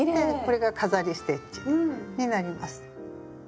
でこれが飾りステッチになります。